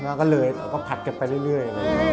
มันก็เลยผัดกันไปเรื่อย